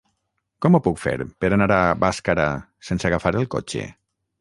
Com ho puc fer per anar a Bàscara sense agafar el cotxe?